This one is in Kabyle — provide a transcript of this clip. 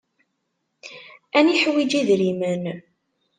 Ad neḥwiǧ idrimen.